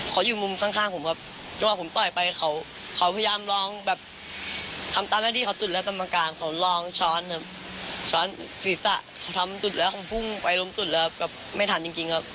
เขาอยู่มุมข้างผมครับจังหวะผมต่อยไปเขาพยายามลองแบบทำตามหน้าที่เขาสุดแล้วกรรมการเขาลองช้อนครับช้อนศีรษะเขาทำสุดแล้วเขาพุ่งไปล้มสุดแล้วแบบไม่ทันจริงครับ